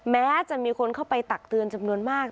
แม้จะมีคนเข้าไปตักเตือนจำนวนมาก